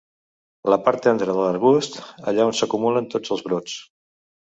La part tendra de l'arbust, allà on s'acumulen tots els brots.